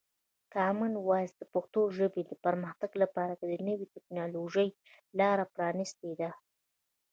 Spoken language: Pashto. کامن وایس د پښتو ژبې د پرمختګ لپاره د نوي ټکنالوژۍ لاره پرانیستې ده.